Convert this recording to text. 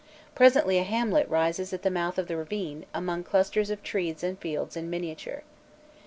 Presently a hamlet rises at the mouth of the ravine, among clusters of trees and fields in miniature.